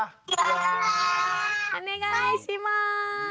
お願いします。